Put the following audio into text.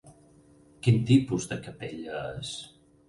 Quin tipus de capella és?